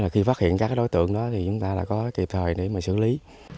khi phát hiện các đối tượng đó thì chúng ta có kịp thời để xử lý